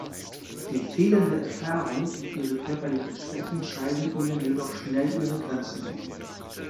Die fehlende Erfahrung und ihre körperlichen Schwächen zeigen ihnen jedoch schnell ihre Grenzen auf.